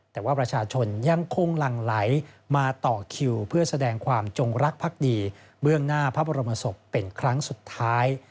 แต่ว่าประชาชนยังคงหลั่งไหลมาต่อคิวเพื่อแสดงความจงรักภักดีเบื้องหน้าพระบรมศพเป็นครั้งสุดท้าย